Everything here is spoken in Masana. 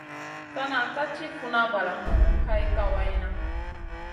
Sana ka ti funa valamu hay kawayna.